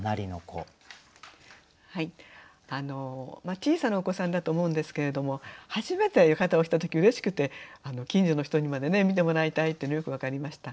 小さなお子さんだと思うんですけれども初めて浴衣を着た時うれしくて近所の人にまで見てもらいたいというのがよく分かりました。